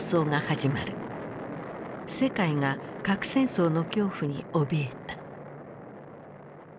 世界が核戦争の恐怖におびえた。